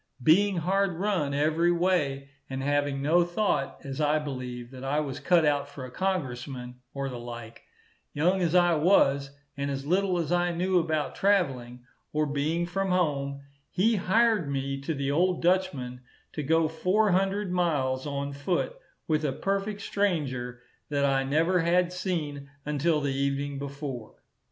Being hard run every way, and having no thought, as I believe, that I was cut out for a Congressman or the like, young as I was, and as little as I knew about travelling, or being from home, he hired me to the old Dutchman, to go four hundred miles on foot, with a perfect stranger that I never had seen until the evening before.